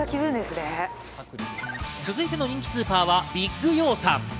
続いての人気スーパーはビッグヨーサン。